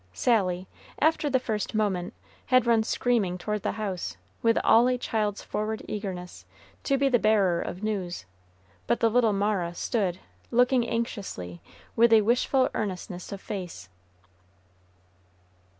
Sally, after the first moment, had run screaming toward the house, with all a child's forward eagerness, to be the bearer of news; but the little Mara stood, looking anxiously, with a wishful earnestness of face.